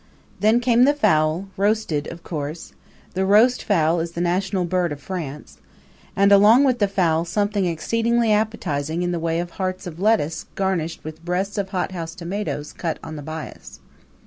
Then came the fowl, roasted, of course the roast fowl is the national bird of France and along with the fowl something exceedingly appetizing in the way of hearts of lettuce garnished with breasts of hothouse tomatoes cut on the bias.